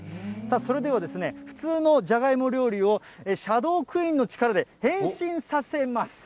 それでは、普通のじゃがいも料理を、シャドークイーンの力で変身させます。